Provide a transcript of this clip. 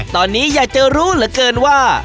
ตอนนี้ก็อยากรู้กันว่า